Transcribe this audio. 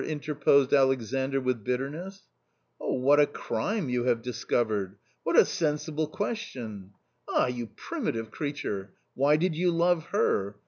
interposed Alexandr with bitterness. " What a crime you have discovered ! what a sensible question ! Ah, you primitive creature ! Why did you love her